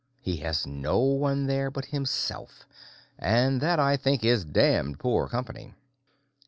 He has no one there but himself and that, I think, is damned poor company."